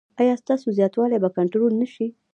ایا ستاسو زیاتوالی به کنټرول نه شي؟